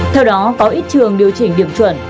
theo đó có ít trường điều chỉnh điểm chuẩn